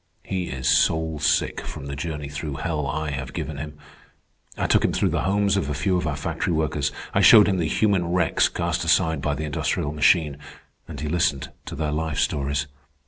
"He is soul sick from the journey through hell I have given him. I took him through the homes of a few of our factory workers. I showed him the human wrecks cast aside by the industrial machine, and he listened to their life stories.